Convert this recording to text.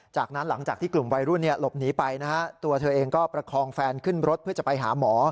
จากนั้นหลังจากที่กลุ่มวัยรุ่นหลบหนีไปนะฮะตัวเธอเองก็ประคองแฟนขึ้นรถเพื่อจะไปหาหมอ